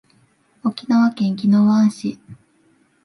沖縄県宜野湾市